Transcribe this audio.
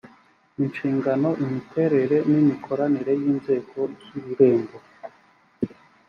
inshingano imiterere n imikorere y inzego z ururembo